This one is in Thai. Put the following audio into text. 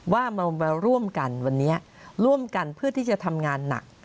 ว่ามาร่วมกันวันนี้ร่วมกันเพื่อที่จะทำงานหนัก